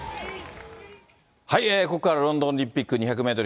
ここからはロンドンオリンピック２００メートル